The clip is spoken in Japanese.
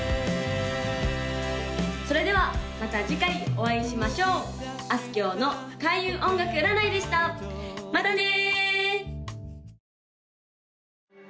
・それではまた次回お会いしましょうあすきょうの開運音楽占いでしたまたね！